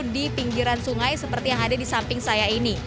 di pinggiran sungai seperti yang ada di samping saya ini